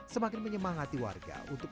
semakin menyemangati warga untuk